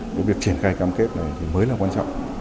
với việc triển khai cam kết này mới là quan trọng